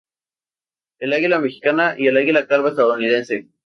El Aguila Mexicana y el Aguila Calva Estadounidense.